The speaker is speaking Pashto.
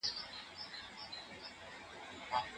مدیتیشن د ذهن د ستړیا مخه نیسي.